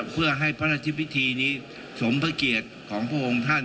เพื่อให้พระราชพิธีนี้สมพระเกียรติของพระองค์ท่าน